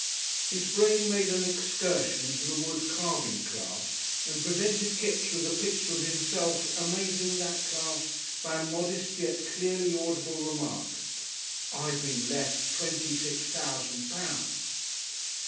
His brain made an excursion into the wood carving class and presented Kipps with the picture of himself amazing that class by a modest yet clearly audible remark, "I been left twenty six thousand pounds."